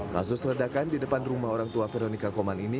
kasus ledakan di depan rumah orang tua veronica koman ini